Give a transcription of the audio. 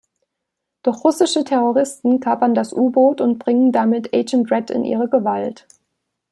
Doch russische Terroristen kapern das U-Boot und bringen damit Agent Red in ihre Gewalt.